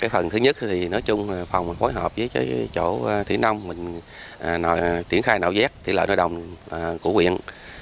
phần thứ nhất phòng phối hợp với chỗ thủy nông triển khai nạo vết thủy lợi nội đồng của huyện